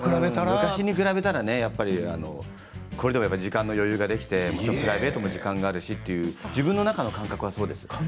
昔に比べたらこれでも時間の余裕があってプライベートでも時間があるし自分の中の感覚はそうです。